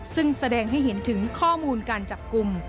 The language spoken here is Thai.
ซึ่งแสดงให้เห็นถึงข้อมูลการจับกลุ่ม